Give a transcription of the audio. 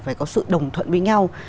phải có sự đồng thuận với nhau